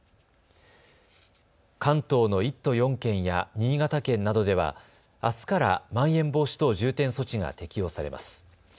関東の１都４県や新潟県などではあすからまん延防止等重点措置が適用されます。